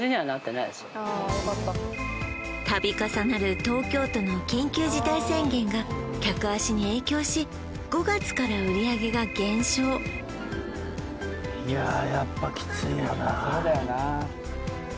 度重なる東京都の緊急事態宣言が客足に影響し５月から売上が減少いややっぱきついよなそうだよな